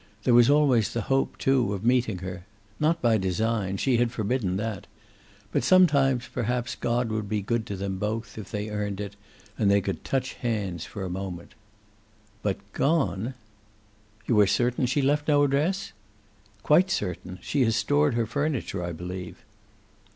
There was always the hope, too, of meeting her. Not by design. She had forbidden that. But some times perhaps God would be good to them both, if they earned it, and they could touch hands for a moment. But gone! "You are certain she left no address?" "Quite certain. She has stored her furniture, I believe."